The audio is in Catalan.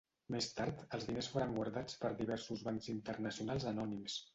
Més tard, els diners foren guardats per diversos bancs internacionals anònims.